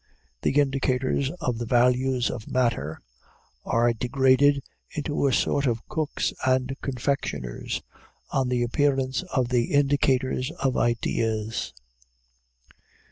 The indicators of the values of matter are degraded to a sort of cooks and confectioners, on the appearance of the indicators of ideas.